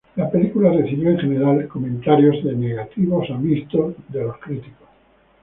La película recibió en general comentarios negativos a mixtos de los críticos.